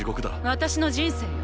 私の人生よ